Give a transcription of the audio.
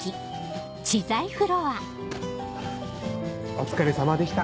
お疲れさまでした。